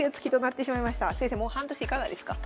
もう半年いかがですか？